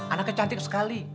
anaknya cantik sekali